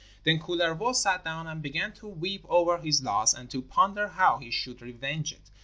Then Kullervo sat down and began to weep over his loss, and to ponder how he should revenge it.